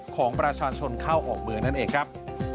ของประชาชนเข้าออกเมืองนั่นเองครับ